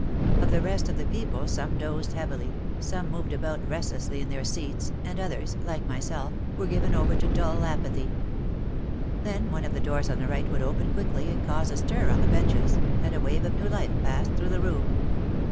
Of the rest of the people some dozed heavily, some moved about restlessly in their seats and others, like myself, were given over to dull apathy. Then one of the doors on the right would open quickly and cause a stir on the benches, and a wave of new life passed through the room.